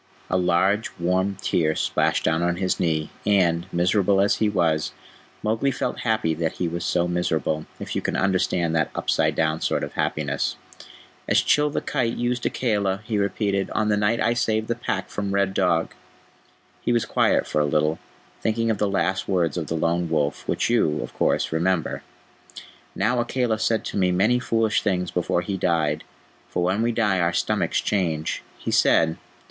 A large, warm tear splashed down on his knee, and, miserable as he was, Mowgli felt happy that he was so miserable, if you can understand that upside down sort of happiness. "As Chil the Kite used Akela," he repeated, "on the night I saved the Pack from Red Dog." He was quiet for a little, thinking of the last words of the Lone Wolf, which you, of course, remember. "Now Akela said to me many foolish things before he died, for when we die our stomachs change. He said...